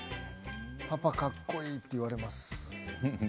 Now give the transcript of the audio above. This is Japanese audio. パパかっこいいと言われます。